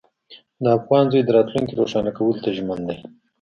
د افغان زوی د راتلونکي روښانه کولو ته ژمن دی.